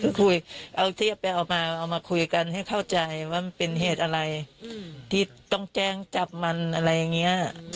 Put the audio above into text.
คือคุยเอาเทียบไปเอามาคุยกันให้เข้าใจว่ามันเป็นเหตุอะไรที่ต้องแจ้งจับมันอะไรอย่างนี้